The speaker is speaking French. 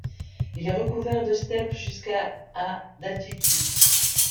Il est recouvert de steppes jusqu'à à d'altitude.